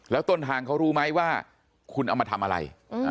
แล้วต้นทางเขารู้ไหมว่าคุณเอามาทำอะไร